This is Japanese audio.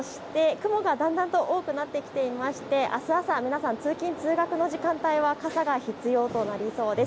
雲がだんだんと多くなってきてましてあす朝、皆さん通勤通学の時間帯は傘が必要となりそうです。